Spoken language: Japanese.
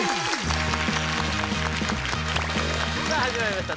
さあ始まりました